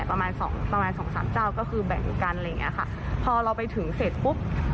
ประมาณ๒๓เจ้าก็คือแบ่งกันพอเราไปถึงเสร็จปุ๊บ